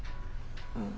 うん。